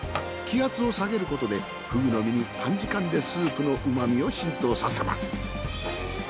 気圧を下げることでふぐの身に短時間でスープの旨味を浸透させます。